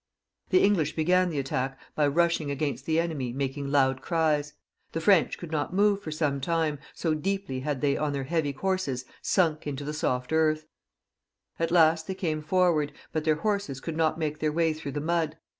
The English began the attack by rushing against the enemy, giving loud cries. The French could not move for some time, so deeply had they, on their heavy horses, sunk into the soft eartL At last they came forward, but their horses could not make their way through the mud.